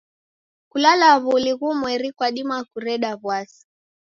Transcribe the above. Kulala w'uli ghumweri kwadima kureda w'asi.